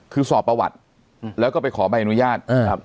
คือสอบประวัติแล้วก็ไปขอใบอนุญาตครับ